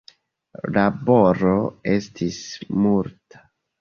Laboro estis multa.